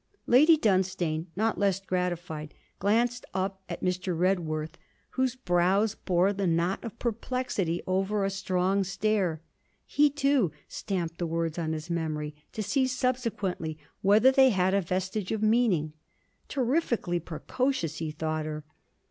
Lady Dunstane, not less gratified, glanced up at Mr. Redworth, whose brows bore the knot of perplexity over a strong stare. He, too, stamped the words on his memory, to see subsequently whether they had a vestige of meaning. Terrifically precocious, he thought her.